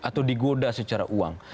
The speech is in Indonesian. atau digoda secara uang